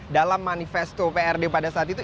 dalam manifesto prd pada saat itu